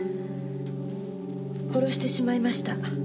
殺してしまいました。